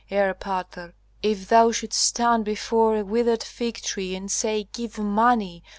Erpatr, if thou shouldst stand before a withered fig tree and say 'Give money!'